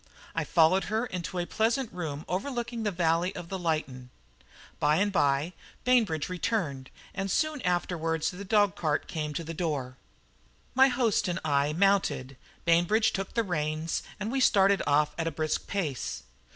I followed her into a pleasant room overlooking the valley of the Lytton. By and by Bainbridge returned, and soon afterwards the dog cart came to the door. My host and I mounted, Bainbridge took the reins, and we started off at a brisk pace.